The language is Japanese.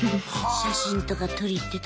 写真とか撮り行ってた？